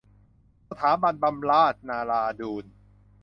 สถาบันบำราศนราดูร